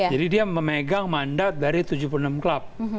jadi dia memegang mandat dari tujuh puluh enam klub